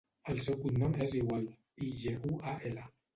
El seu cognom és Igual: i, ge, u, a, ela.